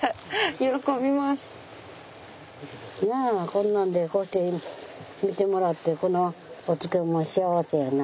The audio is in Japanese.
こんなんでこうして見てもらってこのお漬物幸せやな。